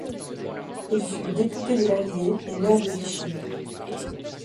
Il fut député de l'Allier et maire de Vichy.